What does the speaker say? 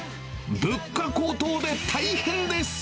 物価高騰で大変です。